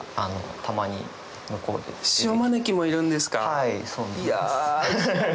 はいそうなんです。